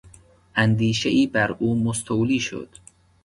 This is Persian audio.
اندیشهای بر او مستولی شد.